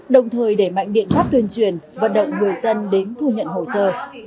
đồng thời đẩy mạnh biện pháp tuyên truyền vận động người dân đến thu nhận hồ sơ